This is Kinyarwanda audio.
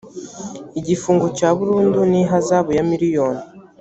igifungo cya burundu n ihazabu ya miliyoni